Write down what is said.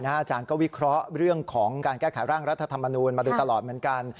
อาจารย์ก็วิเคราะห์เรื่องของการแก้ไขร่างรัฐธรรมนูลมาโดยตลอดเหมือนกัน